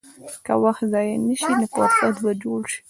که وخت ضایع نه شي، نو فرصت به جوړ شي.